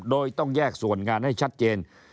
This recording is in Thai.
โดยต้องแยกส่วนงานให้ชัดเจน